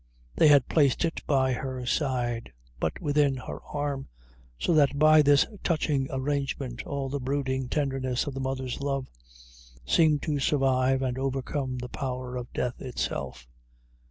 They had placed it by her side, but within her arm, so that by this touching arrangement all the brooding tenderness of the mother's love seemed to survive and overcome the power of death itself.